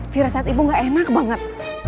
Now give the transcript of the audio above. virasat ibu gak enak banget